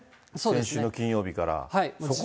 先週の金曜日から。